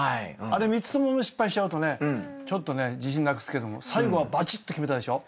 あれ３つとも失敗しちゃうとちょっと自信なくすけど最後はバチッと決めたでしょ。